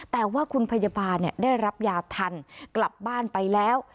แต่ว่าคุณพยาบาลได้รับยาทันกลับบ้านไปแล้ว